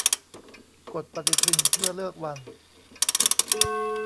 กดปฏิทินเพื่อเลือกวัน